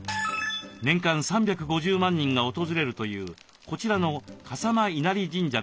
年間３５０万人が訪れるというこちらの笠間稲荷神社でしょうか？